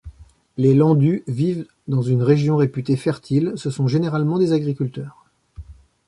Les Lendu vivent dans une région réputée fertile, ce sont généralement des agriculteurs.